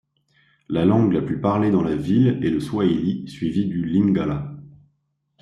La langue la plus parlée dans la ville est le swahili suivi du lingala.